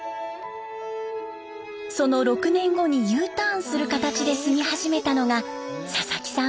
その６年後にＵターンする形で住み始めたのが佐々木さん